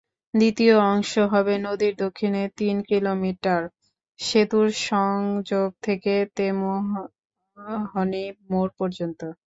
দ্বিতীয় অংশ হবে নদীর দক্ষিণে তিন কিলোমিটার—সেতুর সংযোগ থেকে তেমুহনী মোড় পর্যন্ত।